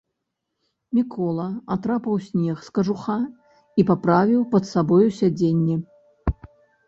Мікола атрапаў снег з кажуха і паправіў пад сабою сядзенне.